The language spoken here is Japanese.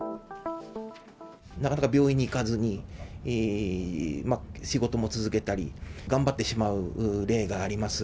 なかなか病院に行かずに、仕事も続けたり、頑張ってしまう例があります。